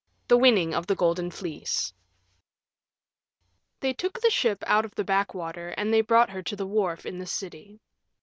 THE WINNING OF THE GOLDEN FLEECE They took the ship out of the backwater and they brought her to a wharf in the city.